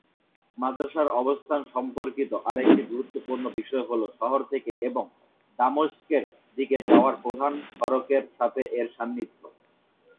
মাদ্রাসার অবস্থান সম্পর্কিত আরেকটি গুরুত্বপূর্ণ বিষয় হ'ল শহর থেকে এবং দামেস্কের দিকে যাওয়ার প্রধান প্রধান সড়কের সাথে এর সান্নিধ্য।